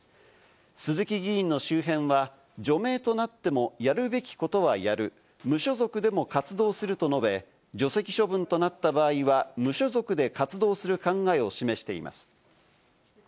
鈴木議員の周辺は除名となってもやるべきことはやる、無所属でも活動すると述べ、除籍処分となった場合は、無所属で活動する考えを示しています。